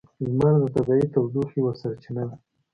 لمر د طبیعی تودوخې یوه سرچینه ده.